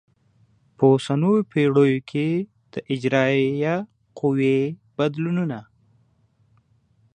په اوسنیو پیړیو کې د اجرایه قوې بدلونونه